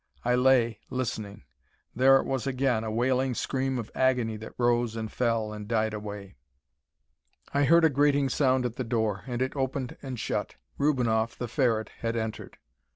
I lay, listening. There it was again, a wailing scream of agony that rose and fell and died away. I heard a grating sound at the door, and it opened and shut. Rubinoff, the Ferret, had entered.